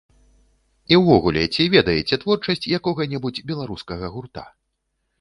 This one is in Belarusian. І ўвогуле, ці ведаеце творчасць якога-небудзь беларускага гурта?